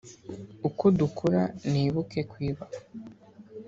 uko dukura, nibuke kwibuka kwacu.